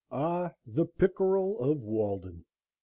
Ah, the pickerel of Walden!